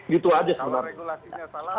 gitu aja sebenarnya